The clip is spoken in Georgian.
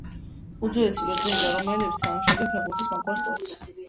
უძველესი ბერძნები და რომაელებიც თამაშობდნენ ფეხბურთის მაგვარ სპორტს